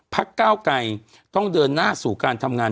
ก้าวไกรต้องเดินหน้าสู่การทำงาน